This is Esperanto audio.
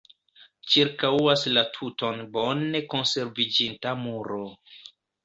Ĉirkaŭas la tuton bone konserviĝinta muro.